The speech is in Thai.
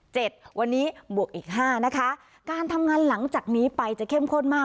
วันนี้บวกอีกห้านะคะการทำงานหลังจากนี้ไปจะเข้มข้นมาก